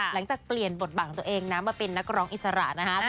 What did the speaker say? หลังจากเปลี่ยนบทบังตัวเองนะมาเป็นนักร้องอิสระนะฮะ